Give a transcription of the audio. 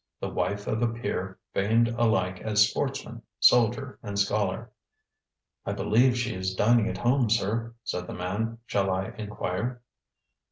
the wife of a peer famed alike as sportsman, soldier, and scholar. ŌĆ£I believe she is dining at home, sir, ŌĆØ said the man. ŌĆ£Shall I inquire?